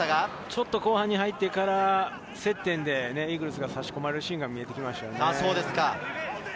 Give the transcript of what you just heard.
ちょっと後半に入ってから接点でイーグルスが差し込まれるシーンが目立ってきましたね。